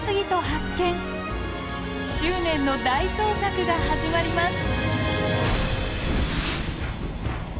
執念の大捜索が始まります。